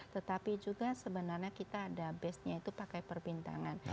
tetapi juga sebenarnya kita ada base nya itu pakai perbintangan